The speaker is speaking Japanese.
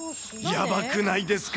やばくないですか？